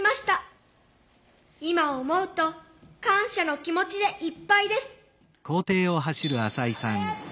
今思うと感謝の気持ちでいっぱいです。